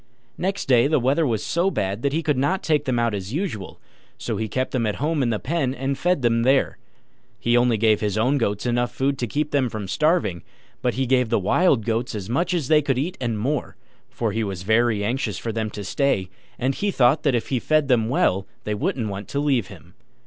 Next day the weather was so bad that he could not take them out as usual: so he kept them at home in the pen, and fed them there. He only gave his own goats enough food to keep them from starving, but he gave the Wild Goats as much as they could eat and more; for he was very anxious for them to stay, and he thought that if he fed them well they wouldn't want to leave him.